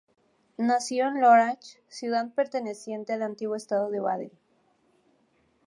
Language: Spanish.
Nació en Lörrach, ciudad perteneciente al antiguo Estado de Baden.